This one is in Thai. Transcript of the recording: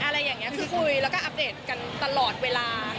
อะไรอย่างนี้คือคุยแล้วก็อัปเดตกันตลอดเวลา